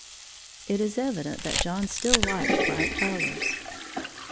It is evident John still liked bright colors.